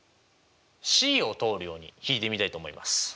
Ｃを通るように引いてみたいと思います。